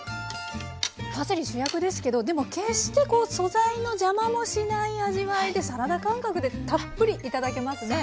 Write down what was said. パセリ主役ですけどでも決して素材の邪魔もしない味わいでサラダ感覚でたっぷり頂けますね。